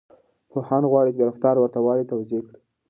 پوهان غواړي د رفتار ورته والی توضيح کړي.